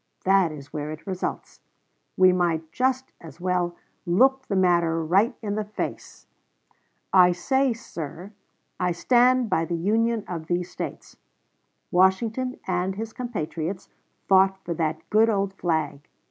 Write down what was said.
That is where it results. We might just as well look the matter right in the face.... "Globe," Dec. 17, 1860, pp. 100 104. I say, sir, I stand by the Union of these States. Washington and his compatriots fought for that good old flag.